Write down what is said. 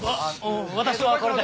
わ私はこれで。